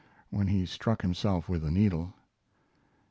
when he stuck himself with the needle.